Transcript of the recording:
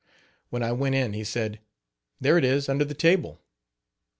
When I went in he said: "There it is under the table.